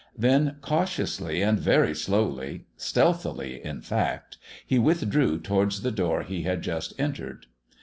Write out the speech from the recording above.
Then, cautiously and very slowly stealthily, in fact he withdrew towards the door he had just entered.